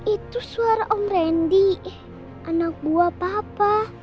itu suara om randy anak buah papa